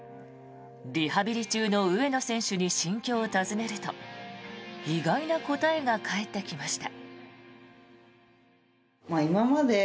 リハビリ中の上野選手に心境を尋ねると意外な答えが返ってきました。